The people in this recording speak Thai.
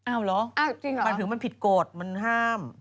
อ้าวเหรออ้าวจริงเหรอมันถึงมันผิดโกรธมันห้าม